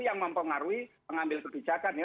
yang mempengaruhi pengambil kebijakan